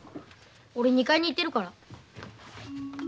俺２階に行ってるから。